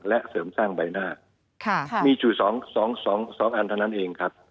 และเสริมสร้างใบหน้ามีอยู่สองอันเท่านั้นเองครับ